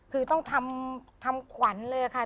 คือต้องทำขวัญเลยค่ะ